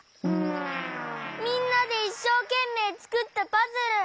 みんなでいっしょうけんめいつくったパズル！